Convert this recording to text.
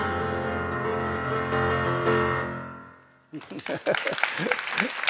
ハハハハ。